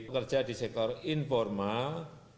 pekerja di sektor informal